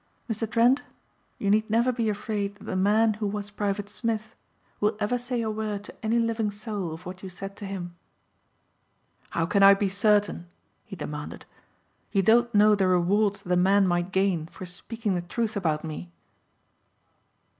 Mr. Trent you need never be afraid that the man who was Private Smith will ever say a word to any living souls of what you said to him." "How can I be certain?" he demanded. "You don't know the rewards that a man might gain for speaking the truth about me."